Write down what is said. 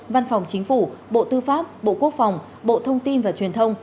văn phòng chính phủ bộ tư pháp bộ quốc phòng bộ thông tin và truyền thông